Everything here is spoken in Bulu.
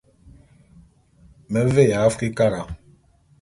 Me veya Afrikara.